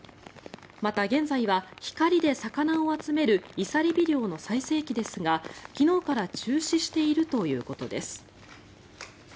また、現在は光で魚を集めるいさり火漁の最盛期ですが昨日から中止しているということです。